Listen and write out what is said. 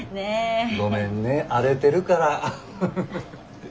ごめんね荒れてるからハハハハ。